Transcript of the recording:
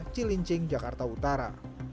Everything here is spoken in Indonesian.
cilincing jakarta utara